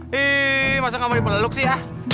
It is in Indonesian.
hiiih masa kamu di peleluk sih ah